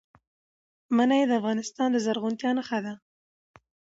منی د افغانستان د زرغونتیا نښه ده.